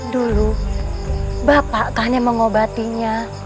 dulu bapak kan yang mengobatinya